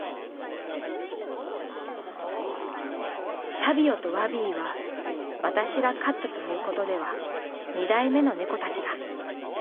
「サビオとワビイは私が飼ったということでは二代目の猫たちだ。